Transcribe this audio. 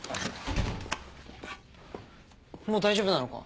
もう大丈夫なのか？